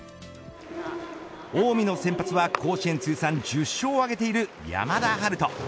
近江の先発は甲子園通算１０勝を挙げている山田陽翔。